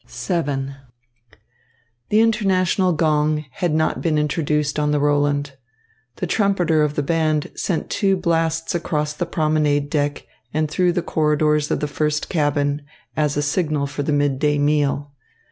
VII The international gong had not been introduced on the Roland. The trumpeter of the band sent two blasts across the promenade deck and through the corridors of the first cabin as a signal for the midday meal.